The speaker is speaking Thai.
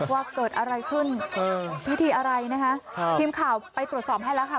ว่าเกิดอะไรขึ้นพิธีอะไรนะคะทีมข่าวไปตรวจสอบให้แล้วค่ะ